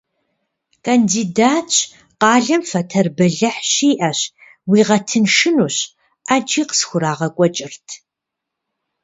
Кандидатщ, къалэм фэтэр бэлыхь щиӏэщ, уигъэтыншынущ — ӏэджи къысхурагъэкӏуэкӏырт.